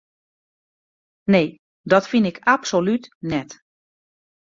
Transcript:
Nee, dat fyn ik absolút net.